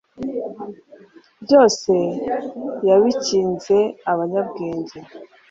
byose yabikinze abanyabwenge